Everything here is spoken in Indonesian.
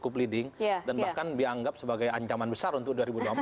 cukup leading dan bahkan dianggap sebagai ancaman besar untuk dua ribu dua puluh empat